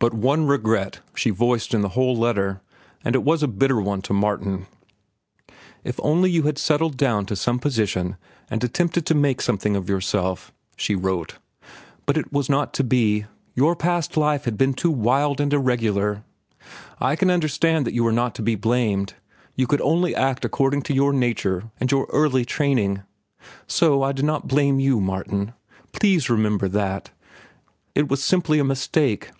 But one regret she voiced in the whole letter, and it was a bitter one to Martin. "If only you had settled down to some position and attempted to make something of yourself," she wrote. "But it was not to be. Your past life had been too wild and irregular. I can understand that you are not to be blamed. You could act only according to your nature and your early training. So I do not blame you, Martin. Please remember that. It was simply a mistake.